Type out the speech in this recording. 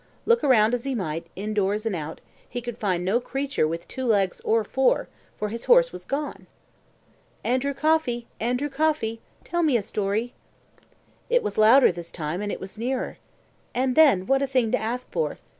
Look around as he might, indoors and out, he could find no creature with two legs or four, for his horse was gone. "ANDREW COFFEY! ANDREW COFFEY! tell me a story." It was louder this time, and it was nearer. And then what a thing to ask for!